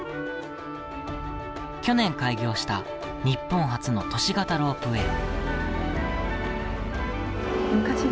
去年、開業した日本初の都市型ロープウエー。